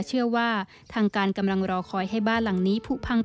เชื่อว่าทางการกำลังรอคอยให้บ้านหลังนี้ผู้พัง